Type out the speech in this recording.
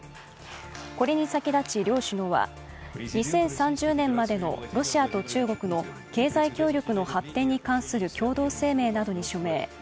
これに先立ち、両首脳は、２０３０年までのロシアと中国の経済協力の発展に関する共同声明などに署名。